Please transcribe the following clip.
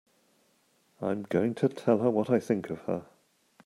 I'm going to tell her what I think of her!